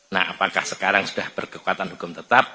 nah apakah sekarang sudah berkekuatan hukum tetap